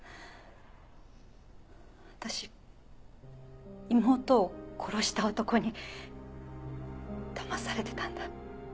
私妹を殺した男にだまされてたんだ。